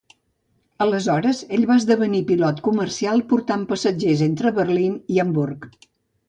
Aleshores ell va esdevenir pilot comercial portant passatgers entre Berlín i Hamburg.